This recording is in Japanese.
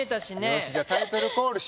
よしじゃあタイトルコールしよう。